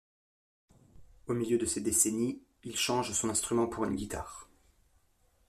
Au milieu de cette décennie, il change son instrument pour une guitare.